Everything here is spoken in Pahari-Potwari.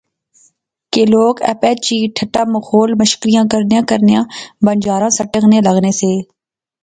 کہ لوک آپے چی ٹھٹھا مخول مشکریاں کرنیاں کرنیاں بنجاراں سٹنے لغنے سے